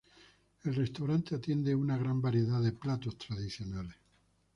El restaurante atiende una gran variedad de platos tradicionales.